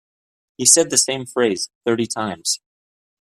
He said the same phrase thirty times.